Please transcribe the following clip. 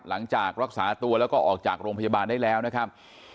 หลังจากรักษาตัวแล้วก็ออกจากโรงพยาบาลได้แล้วนะครับ